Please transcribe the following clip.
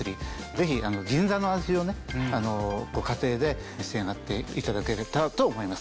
ぜひ銀座の味をねご家庭で召し上がっていただけたらと思います。